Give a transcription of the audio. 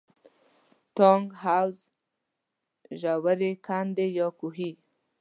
ټانک، حوض، ژورې کندې یا کوهي.